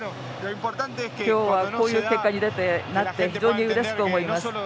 今日はこういう結果になって非常にうれしく思います。